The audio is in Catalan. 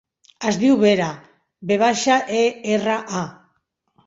Es diu Vera: ve baixa, e, erra, a.